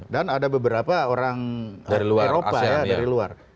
dan ada beberapa orang eropa ya dari luar